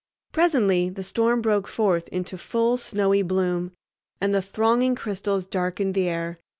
Presently the storm broke forth into full snowy bloom, and the thronging crystals darkened the air.